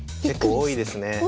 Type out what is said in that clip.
結構多いですね。